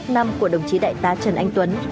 bốn mươi một năm của đồng chí đại tá trần anh tuấn